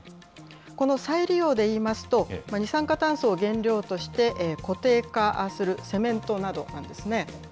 この再利用でいいますと、二酸化炭素を原料として固定化する、セメントなどなんですね。